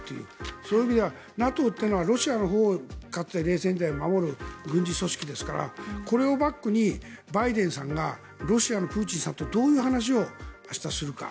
そういう意味ではＮＡＴＯはロシアのほうをかつて冷戦時代は守る軍事組織ですからこれをバックにバイデンさんがロシアのプーチンさんとどういう話を明日するか。